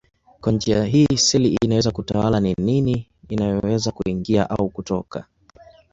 Kwa njia hii seli inaweza kutawala ni nini inayoweza kuingia au kutoka.